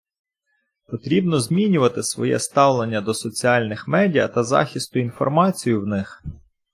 Потрібно змінювати своє ставлення до соціальних медіа та захисту інформації в них.